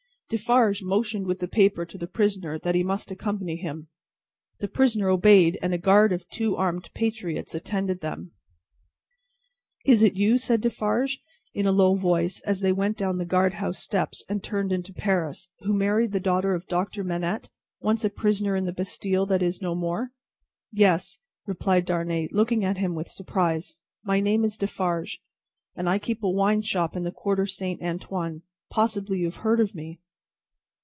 Defarge motioned with the paper to the prisoner that he must accompany him. The prisoner obeyed, and a guard of two armed patriots attended them. "Is it you," said Defarge, in a low voice, as they went down the guardhouse steps and turned into Paris, "who married the daughter of Doctor Manette, once a prisoner in the Bastille that is no more?" "Yes," replied Darnay, looking at him with surprise. "My name is Defarge, and I keep a wine shop in the Quarter Saint Antoine. Possibly you have heard of me."